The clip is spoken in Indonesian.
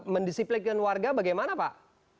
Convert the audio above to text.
mendisiplikkan warga bagaimana pak